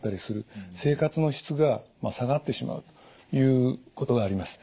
生活の質が下がってしまうということがあります。